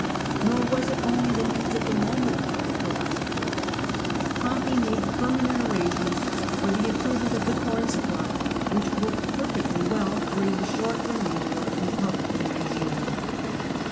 Nor was it only the needs of the moment that were provided for : Pompey made permanent arrangements for the improvement of the corn supply, which worked perfectly well during the short remainder of the Republican rSgime.